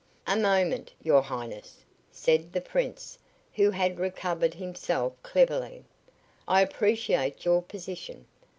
"A moment, your Highness," said the Prince, who had recovered himself cleverly. "I appreciate your position.